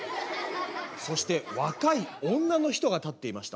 「そして若い女の人が立っていました」。